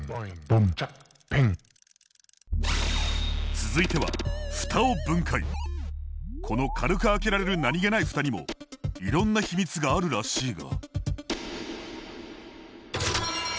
続いてはこの軽く開けられる何気ないふたにもいろんな秘密があるらしいが。